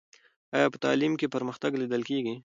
آیا په تعلیم کې پرمختګ لیدل کېږي؟